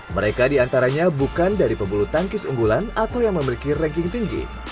mereka diantaranya bukan dari pembulu tangkis unggulan atau yang memiliki ranking tinggi